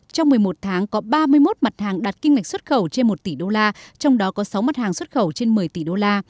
trong một mươi một tháng có ba mươi một mặt hàng đạt kim ngạch xuất khẩu trên một tỷ đô la trong đó có sáu mặt hàng xuất khẩu trên một mươi tỷ đô la